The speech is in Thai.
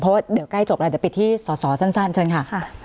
เพราะว่าเดี๋ยวใกล้จบแล้วเดี๋ยวปิดที่สอสอสั้นเชิญค่ะ